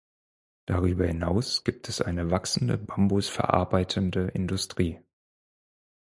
Darüber hinaus gibt es eine wachsende Bambus verarbeitende Industrie.